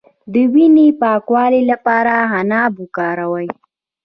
د وینې د پاکوالي لپاره عناب وکاروئ